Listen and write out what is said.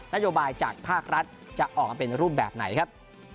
นโยบายจากภาครัฐจะออกมาเป็นรูปแบบไหนครับ